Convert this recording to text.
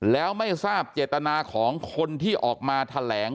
แล้วไม่ทราบเจตนาของคนที่ออกมาแถลง